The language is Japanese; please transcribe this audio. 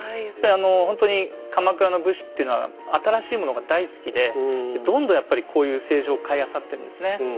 やっぱりほんとに鎌倉の武士っていうのは新しいものが大好きでどんどんやっぱりこういう青磁を買いあさってるんですね。